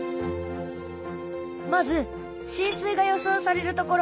まず浸水が予想される所。